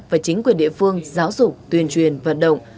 và chính quyền địa phương giáo dục tuyên truyền vận động